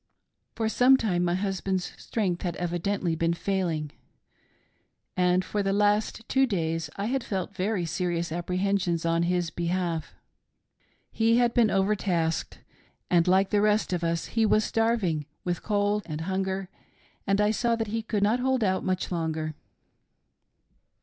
For some time my husband's strength had evidently been failing, and for the last two days I had felt very serious apprehensions on his behalf. He had been overtasked, and like the rest of us he was starving with cold and hunger, and I saw that he could not hold out much longer.